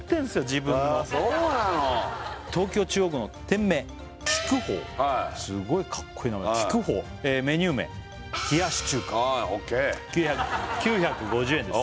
自分のそうなの東京・中央区の店名菊凰すごいカッコイイ名前菊凰メニュー名冷やし中華はいオッケー９５０円です